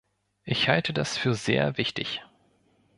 Ich halte das für sehr wichtig.